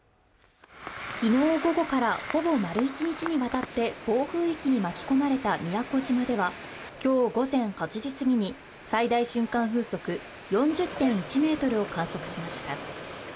昨日午後から、ほぼ丸一日にわたって暴風域に巻き込まれた宮古島では、今日午前８時すぎに最大瞬間風速４０．１メートルを観測しました。